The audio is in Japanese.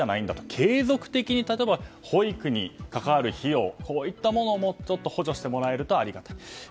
継続的に例えば保育に関わる費用といったものをこういったものをもうちょっと補助してもらえるとありがたい。